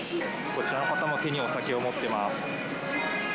こちらの方も手にお酒を持ってます。